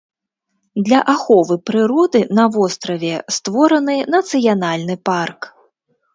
Для аховы прыроды на востраве створаны нацыянальны парк.